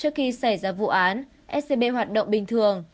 trước khi xảy ra vụ án scb hoạt động bình thường